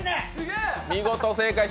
見事、正解。